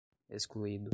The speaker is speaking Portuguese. excluído